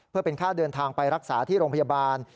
เพื่อเป็นค่าเดินทางไปรักษาที่โรงพยาบาล